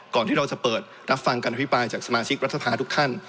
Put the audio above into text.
ที่เราจะเปิดรับฟังการอภิปรายจากสมาชิกรัฐสภาทุกท่าน